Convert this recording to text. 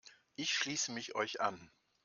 Ich schließe mich euch an.